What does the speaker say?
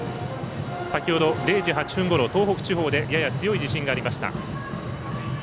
さきほど、０時８分ごろ東北地方でやや強い地震がありました。